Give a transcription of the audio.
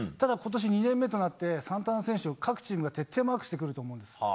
今年、２年目となってサンタナ選手を各チームが徹底マークしてくると思うんです。